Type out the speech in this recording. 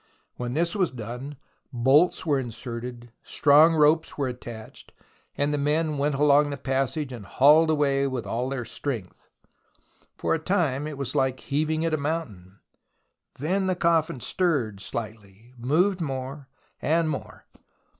When this was done bolts were inserted, strong ropes were attached, and the men went along the passage and hauled away with all their strength. For a time it was like heaving at a mountain, then the coffin stirred slightly, moved more and more.